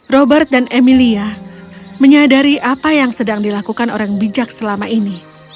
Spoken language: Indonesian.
robert dan emilia menyadari apa yang sedang dilakukan orang bijak selama ini